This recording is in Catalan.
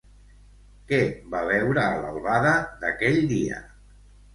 Què va veure a l'albada d'aquell dia?